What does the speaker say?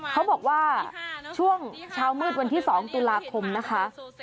เขาบอกว่าช่วงเช้ามืดวันที่๒ตุลาคมนะคะ